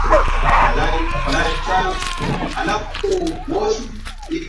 Wamasai waliacha kutumia ngozi ya wanyama ndama na kondoo ili kutumia nguo za pamba